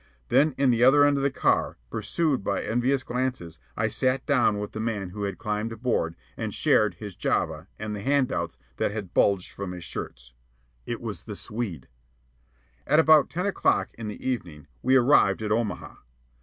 Then, in the other end of the car, pursued by envious glances, I sat down with the man who had climbed aboard and shared his "Java" and the hand outs that had bulged his shirt. It was the Swede. At about ten o'clock in the evening, we arrived at Omaha.